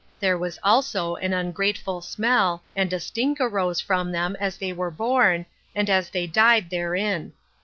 There was also an ungrateful smell, and a stink arose from them, as they were born, and as they died therein.